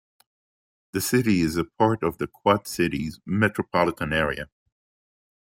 The city is a part of the Quad Cities Metropolitan Area.